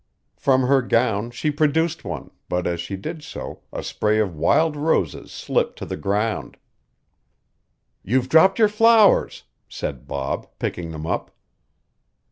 From her gown she produced one, but as she did so a spray of wild roses slipped to the ground. "You've dropped your flowers," said Bob, picking them up.